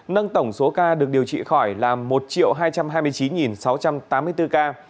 nâng tổng số ca được điều trị khỏi là một hai trăm hai mươi chín sáu trăm tám mươi bốn ca